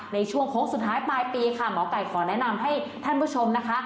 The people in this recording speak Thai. ในช่วงโค้งสุดท้ายปลายปีค่ะหมอไก่ขอแนะนำให้ท่านผู้ชมนะคะ